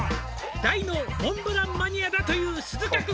「大のモンブランマニアだという鈴鹿くん」